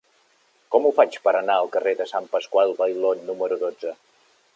Com ho faig per anar al carrer de Sant Pasqual Bailón número dotze?